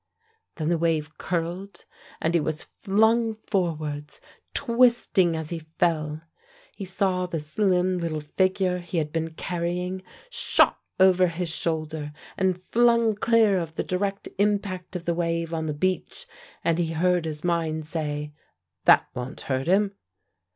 Then the wave curled, and he was flung forwards, twisting as he fell. He saw the slim little figure he had been carrying shot over his shoulder, and flung clear of the direct impact of the wave on the beach, and he heard his mind say, "That won't hurt him."